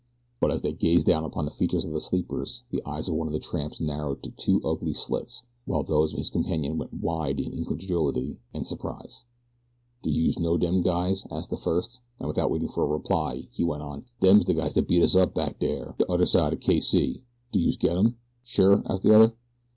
But as they gazed down upon the features of the sleepers the eyes of one of the tramps narrowed to two ugly slits while those of his companion went wide in incredulity and surprise. "Do youse know dem guys?" asked the first, and without waiting for a reply he went on: "Dem's de guys dat beat us up back dere de udder side o' K. C. Do youse get 'em?" "Sure?" asked the other.